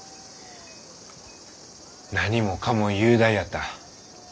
何もかも雄大やった。